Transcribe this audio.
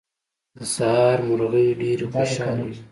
د سهار مرغۍ ډېرې خوشاله وې.